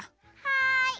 はい。